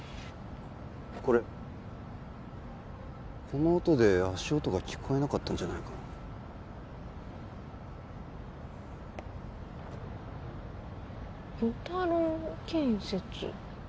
これこの音で足音が聞こえなかったんじゃないかな与太郎建設？